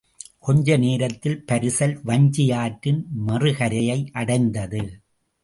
கொஞ்ச நேரத்தில் பரிசல் வஞ்சி ஆற்றின் மறுகரையை அடைந்தது.